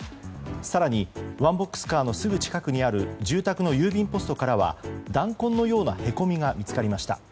更にワンボックスカーのすぐ近くにある住宅の郵便ポストからは弾痕のようなへこみが見つかりました。